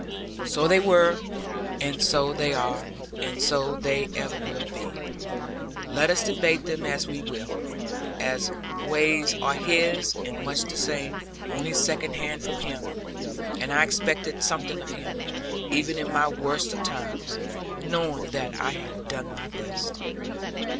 So they were, and so they are; and so they ever will be. Let us debate them as we will, our ways are His, and much the same; only second hand from Him. And I expected something from Him, even in my worst of times, knowing that I had done my best.